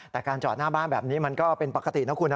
แต่การจอดหน้าบ้านแบบนี้มันก็เป็นปกตินะคุณนะ